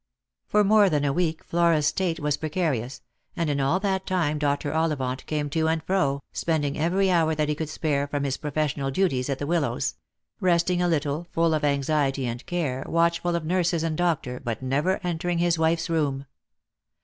For more than a week Flora's state was precarious, and in all that time Dr. Ollivant came to and fro, spending every hour that he could spare from his professional duties at the Willows ; resting little, full of anxiety and care, watchful of nurses and doctor, but never entering his wife's room.